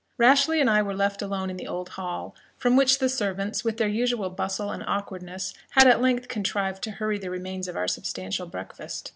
Rashleigh and I were left alone in the old hall, from which the servants, with their usual bustle and awkwardness, had at length contrived to hurry the remains of our substantial breakfast.